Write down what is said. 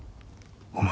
お前。